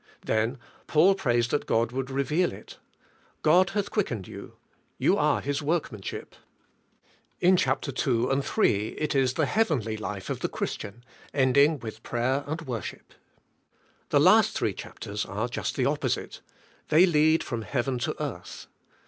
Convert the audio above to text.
Then Paul prays that God would reveal it. "God hath quickened you," "You are His workmanship." In chapter two and three it is the heavenly life of the Christian, ending with prayer and worship. The three last chapters are just the opposite. They lead from heaven to earth.